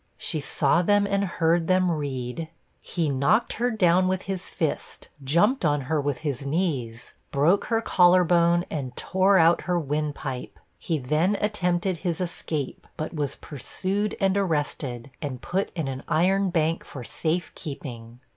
She saw them and heard them read 'He knocked her down with his fist, jumped on her with his knees, broke her collar bone, and tore out her wind pipe! He then attempted his escape, but was pursued and arrested, and put in an iron bank for safe keeping!'